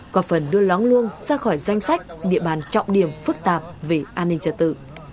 có phần đưa lóng luông ra khỏi danh sách địa bàn trọng điểm phức tạp về an ninh trật tự